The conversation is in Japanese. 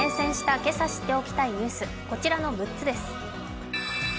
今朝知っておきたいニュースこちらの６つです。